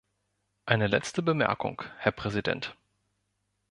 Eine letzte Bemerkung, Herr Präsident!